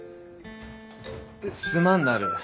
すまんなる。